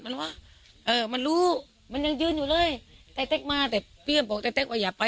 มันวะเออมันรู้มันยังยืนอยู่เลยแต่เต๊กมาแต่พี่ก็บอกแต่เต๊กว่าอย่าไป